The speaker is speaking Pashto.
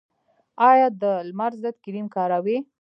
ایا د لمر ضد کریم کاروئ؟